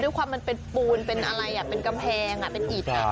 มันเป็นความมันเป็นปูนเป็นอะไรเป็นกำแพงเป็นอิด